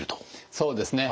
そうですね。